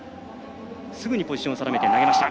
すぐにポジションを定めて投げました。